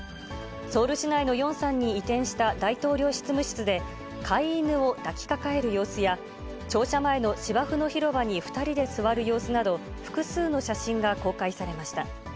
ソウル市内のヨンサンに移転した大統領執務室で、飼い犬を抱きかかえる様子や、庁舎前の芝生の広場に２人で座る様子など、複数の写真が公開されました。